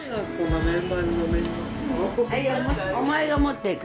お前が持っていく？